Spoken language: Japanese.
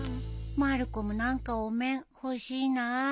まる子も何かお面欲しいな。